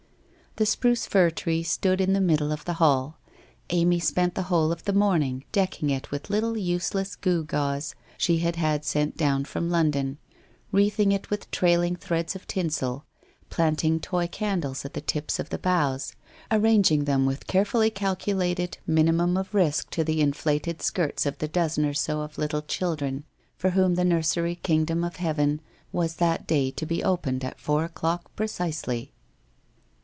The spruce fir tree stood in the middle of the hall. Amy spent the whole of the morning decking it with little use less gew gaws she had had sent down from London, wreath ing it with trailing threads of tinsel, planting toy candles on the tips of the boughs, arranging 'tL.ji with carefully calculated minimum of risk to the inflated skirts of the dozen or so of little children for whom the nursery king dom of Heaven was that day to be opened at four o'clock precisely.